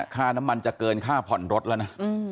ค่าน้ำมันจะเกินค่าผ่อนรถแล้วนะ